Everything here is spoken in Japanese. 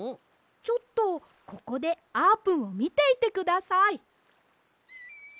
ちょっとここであーぷんをみていてください。